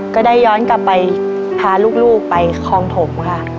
ก็ได้ย้อนกลับไปพาลูกไปคลองถมค่ะ